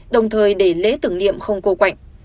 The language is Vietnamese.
đồng thời để lễ tưởng niệm không cô quạnh